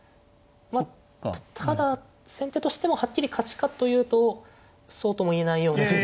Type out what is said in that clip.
まあただ先手としてもはっきり勝ちかというとそうとも言えないような。